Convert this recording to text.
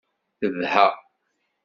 Tebha.